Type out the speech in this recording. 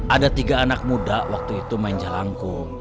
ada tiga anak muda waktu itu main jalanku